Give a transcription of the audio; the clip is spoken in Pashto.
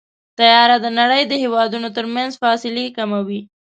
طیاره د نړۍ د هېوادونو ترمنځ فاصلې کموي.